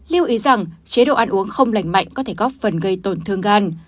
lưu ý rằng chế độ ăn uống không lành mạnh có thể góp phần gây tổn thương gan